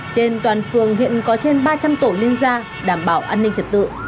trên toàn phường hiện có trên ba trăm linh tổ liên gia đảm bảo an ninh trật tự